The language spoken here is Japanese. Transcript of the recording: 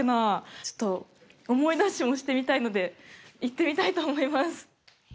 ちょっと思い出しもしてみたいので行ってみたいと思います。